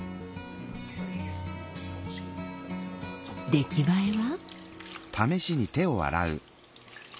出来栄えは？